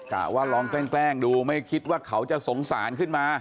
กล่าวว่าลองแป้งดูไม่คิดว่าเค้าจะสงสารขึ้นมา